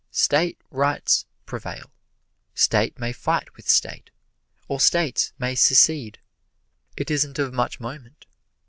State rights prevail. State may fight with State, or States may secede it isn't of much moment.